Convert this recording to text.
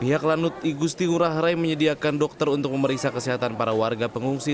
pihak lanut igusti ngurah rai menyediakan dokter untuk memeriksa kesehatan para warga pengungsi